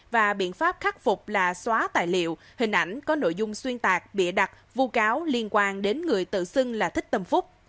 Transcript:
và biện pháp khắc phục là xóa tài liệu hình ảnh có nội dung xuyên tạc bịa đặt vô cáo liên quan đến người tự xưng là thích tâm phúc